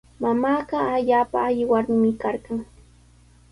Mamaaqa allaapa alli warmimi karqan.